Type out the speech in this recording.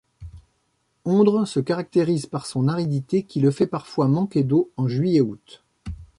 Ondres se caractérise par son aridité qui le fait parfois manquer d'eau en juillet-août.